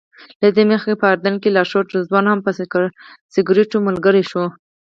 له دې مخکې په اردن کې لارښود رضوان هم په سګرټو ملګری شو.